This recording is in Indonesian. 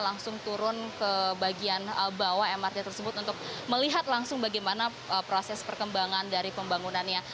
langsung turun ke bagian bawah mrt tersebut untuk melihat langsung bagaimana proses perkembangan dari pembangunannya